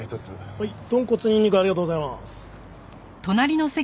はい豚骨にんにくありがとうございます。